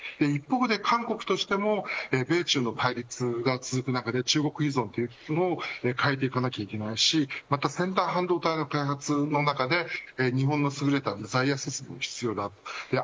一方で韓国を通しても米中の対立が続く中で中国依存の姿勢を変えていかなけいけないし先端半導体の開発の中で日本のすぐれたものをつくることも必要。